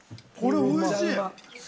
これおいしい！